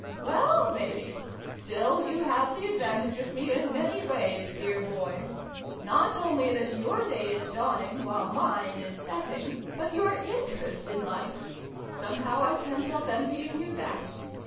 " Well, maybe. Still you have the advan tage of me in many ways, dear boy ! Not only that your day is dawning while mine is 256 SYLVIE AND BRUNO CONCLUDED. setting, but jour interest in Life somehow I ca'n't help envying you that.